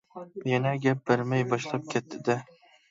يەنە گەپ بەرمەي باشلاپ كەتتى دە.